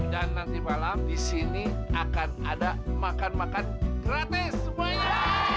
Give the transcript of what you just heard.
dan nanti malam di sini akan ada makan makan gratis semuanya